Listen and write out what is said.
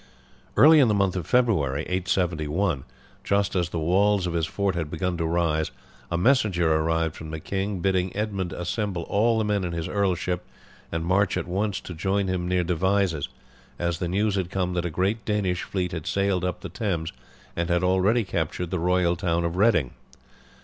Early in the month of February, 871, just as the walls of his fort had begun to rise, a messenger arrived from the king bidding Edmund assemble all the men in his earlship and march at once to join him near Devizes, as the news had come that a great Danish fleet had sailed up the Thames and had already captured the royal town of Reading.